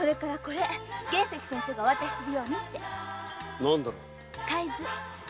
何だろう？